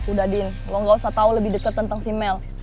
udah din lo gak usah tau lebih deket tentang si mel